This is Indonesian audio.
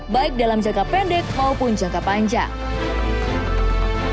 baik dalam jangka pendek maupun jangka panjang